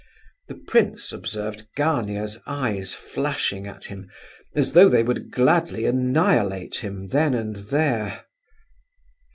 The prince observed Gania's eyes flashing at him, as though they would gladly annihilate him then and there.